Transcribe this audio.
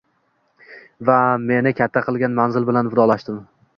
Va meni katta qilgan manzil bilan vidolashdim.